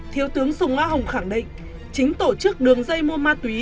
thiếu tướng sùng a hồng khẳng định chính tổ chức đường dây mua ma túy